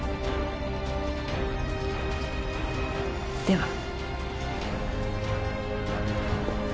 では。